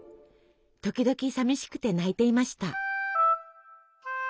時々さみしくて泣いていました。